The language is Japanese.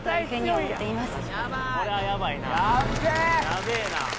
・やべえな